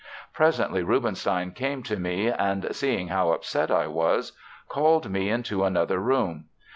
Presently Rubinstein came to me and, seeing how upset I was, called me into another room.